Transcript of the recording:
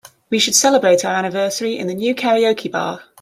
We should celebrate our anniversary in the new karaoke bar.